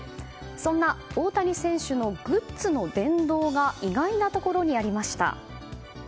そんな大谷選手のグッズの殿堂が意外なところにありました。